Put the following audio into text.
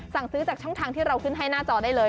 สั่งซื้อจากช่องทางที่เราขึ้นให้หน้าจอได้เลย